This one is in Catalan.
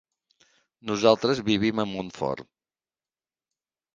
Nosaltres vivim a Montfort.